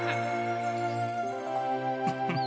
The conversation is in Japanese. フフフ。